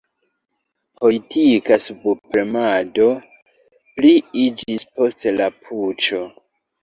Politika subpremado pliiĝis post la puĉo.